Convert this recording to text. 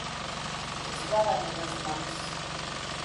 Esvárame das mans.